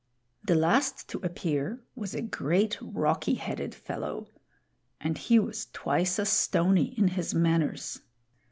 The last to appear was a great rocky headed fellow; and he was twice as stony in his manners.